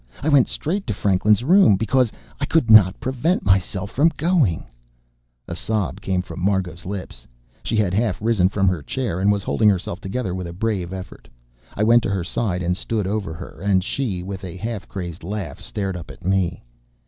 I went straight to Franklin's room because I could not prevent myself from going." A sob came from Margot's lips. She had half risen from her chair, and was holding herself together with a brave effort. I went to her side and stood over her. And she, with a half crazed laugh, stared up at me.